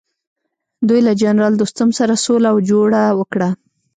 دوی له جنرال دوستم سره سوله او جوړه وکړه.